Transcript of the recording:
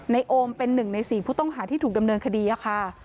ไนโอมเป็นหนึ่งในสี่ผู้ต้องหาที่ถูกดำเนินคดีค่ะ